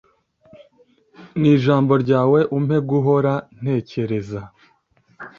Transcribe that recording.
Mwijambo ryawe umpe guhora ntekereza